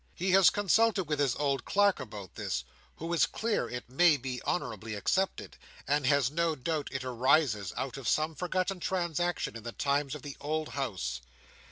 He has consulted with his old clerk about this, who is clear it may be honourably accepted, and has no doubt it arises out of some forgotten transaction in the times of the old House.